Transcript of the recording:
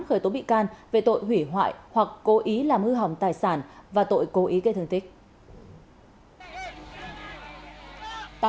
khởi tố bị can về tội hủy hoại hoặc cố ý làm hư hỏng tài sản và tội cố ý gây thương tích